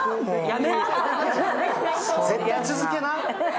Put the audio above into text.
絶対続けな。